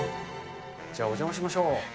じゃあ、お邪魔しましょう。